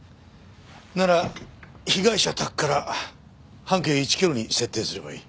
なら被害者宅から半径１キロに設定すればいい。